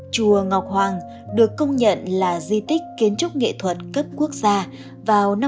chùa ngọc hoàng được công nhận là di tích kiến trúc nghệ thuật cấp quốc gia vào năm một nghìn chín trăm chín mươi bốn